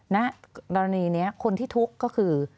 ณกรณีนี้คนที่ทุกข์ก็คือ